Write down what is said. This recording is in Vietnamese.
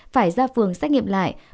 phải ra phường xác nghiệm lại